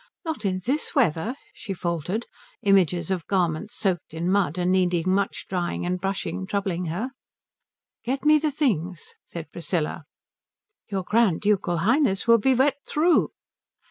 "Not in this weather?" she faltered, images of garments soaked in mud and needing much drying and brushing troubling her. "Get me the things," said Priscilla. "Your Grand Ducal Highness will be wet through."